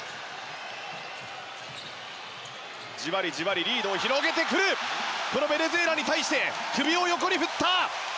じわりじわりリードを広げてくるこのベネズエラに対して首を横に振った。